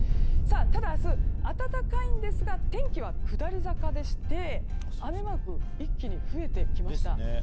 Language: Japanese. ただ明日、暖かいんですが天気は下り坂でして雨マークが一気に増えてきました。